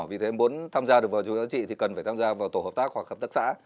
vì thế muốn tham gia được vào chuỗi giá trị thì cần phải tham gia vào tổ hợp tác hoặc hợp tác xã